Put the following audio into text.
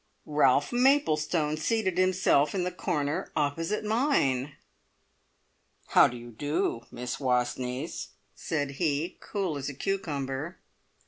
Ralph Maplestone seated himself in the corner opposite mine! "How do you do, Miss Wastneys," said he, as cool as a cucumber.